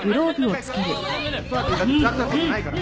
虎君だって食らったことないから。